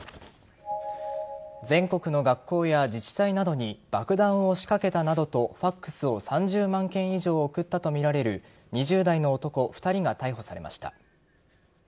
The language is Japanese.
全国の学校や自治体などに爆弾を仕掛けたなどとＦＡＸを３０万件以上送ったとみられる２０代の男２人が逮捕されました。